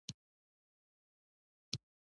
زړه کله د خوښۍ نه الوتل غواړي.